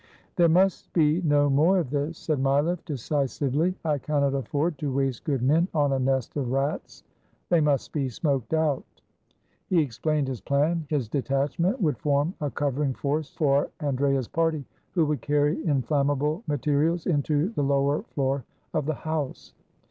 "There must be no more of this," said Mileff, deci sively. "I cannot afford to waste good men on a nest of rats. They must be smoked out." He explained his plan. His detachment would form a covering force for Andrea's party, who would carry in flammable materials into the lower floor of the house.